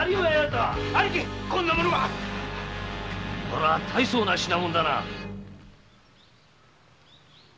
これは大そうな品物だな。